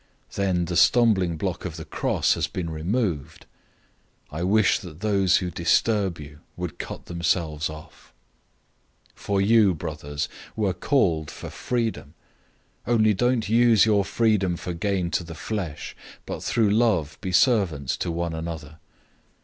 Then the stumbling block of the cross has been removed. 005:012 I wish that those who disturb you would cut themselves off. 005:013 For you, brothers, were called for freedom. Only don't use your freedom for gain to the flesh, but through love be servants to one another.